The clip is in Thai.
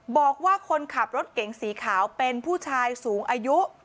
บอกว่าคนขับรถเก๋งสีขาวเป็นผู้ชายสูงอายุ